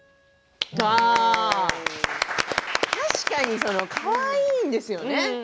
確かにかわいいですよね。